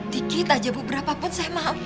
dikit aja bu berapa pun saya maaf